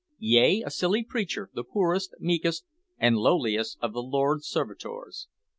"Yea, a silly preacher, the poorest, meekest, and lowliest of the Lord's servitors."